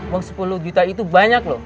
uang sepuluh juta itu banyak loh